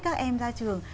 các em ra trường